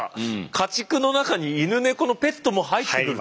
家畜の中に犬猫のペットも入ってくると。